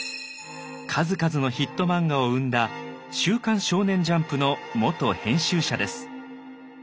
数々のヒット漫画を生んだ「週刊少年ジャンプ」の元編集者です。